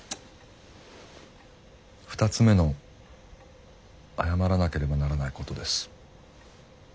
２つ目の謝らなければならないことです。